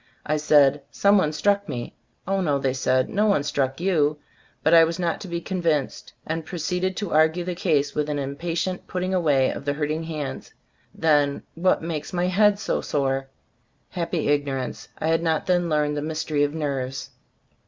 I said "some one struck me." "Oh, no," they said, "no one struck you," but I was not to be convinced and proceeded to argue the case with an impatient putting away of the hurting hands, "then what Gbe Storg of Ay Gbilftbooft 73 makes my head so sore?" Happy ig norance! I had not then learned the mystery of nerves.